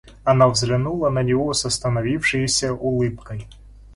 Она взглянула на него с остановившеюся улыбкой.